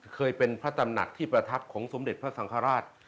เคยเป็นพระตำหนักที่ประทับของสมเด็จพระสังฆราช